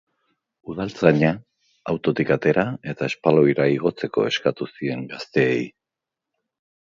Udaltzaina autotik atera eta espaloira igotzeko eskatu zien gazteei.